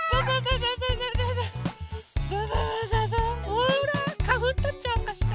ほらかふんとっちゃおうかしら？